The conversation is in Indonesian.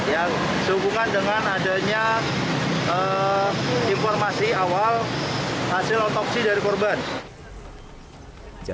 yang sehubungan dengan adanya informasi awal hasil otopsi dari korban